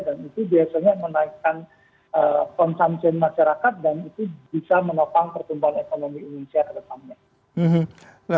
dan itu biasanya menaikkan konsumsi masyarakat dan itu bisa menopang pertumbuhan ekonomi indonesia ke depannya